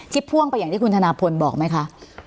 พ่วงไปอย่างที่คุณธนาพลบอกไหมคะ